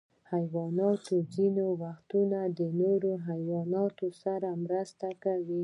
حیوانات ځینې وختونه د نورو حیواناتو سره مرسته کوي.